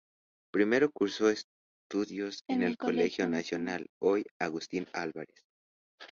Primero cursó estudios en el Colegio Nacional -hoy, Agustín Álvarez-.